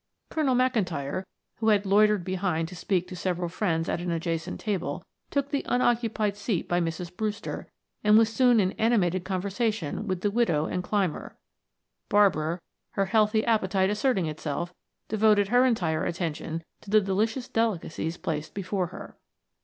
Colonel McIntyre, who had loitered behind to speak to several friends at an adjacent table, took the unoccupied seat by Mrs. Brewster and was soon in animated conversation with the widow and Clymer; Barbara, her healthy appetite asserting itself, devoted her entire attention to the delicious delicacies placed before her.